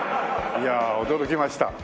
いやあ驚きました。